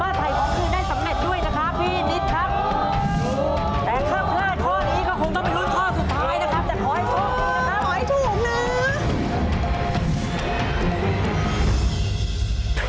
ถูกถูกถูกถูกถูก